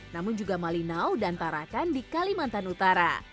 namun juga malinau dan tarakan di kalimantan utara